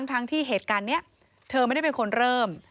ทั้งที่เหตุการณ์นี้เธอไม่ได้เป็นคนเริ่ม